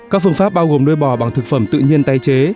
các phương pháp bao gồm nuôi bò bằng thực phẩm tự nhiên tái chế